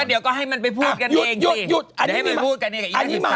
ก็เดี๋ยวก็ให้มันไปพูดกันเองสิ